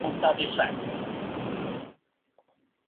Es internacional con la selección de balonmano de Hungría.